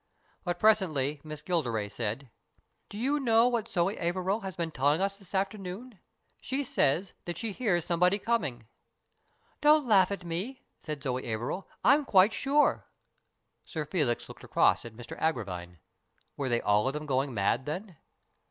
But presently Miss Gilderay said :" Do you know what Zoe Averil has been telling us this afternoon ? She says that she hears some body coming." "Don't laugh at me," said Zoe Averil. "I'm quite sure." Sir Felix looked across at Mr Agravine. Were they all of them going mad, then